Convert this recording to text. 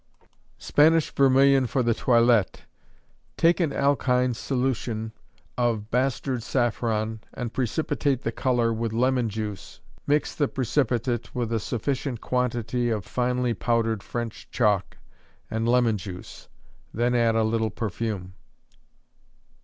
Spanish Vermilion for the Toilette. Take an alkine solution of bastard saffron, and precipitate the color with lemon juice; mix the precipitate with a sufficient quantity of finely powdered French chalk and lemon juice, then add a little perfume.